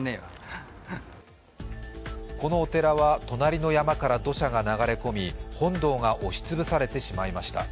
このお寺は隣の山から土砂が流れ込み、本堂が押し潰されてしまいました。